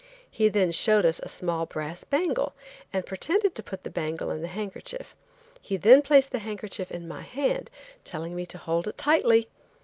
He then showed us a small brass bangle, and pretended to put the bangle in the handkerchief; he then placed the handkerchief in my hand, telling me to hold it tightly.